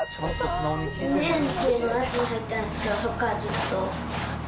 ２年生の夏に入ったんですけど、そこからずっと。